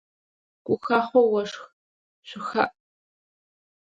Гухахъо ошх, шъухаӏ!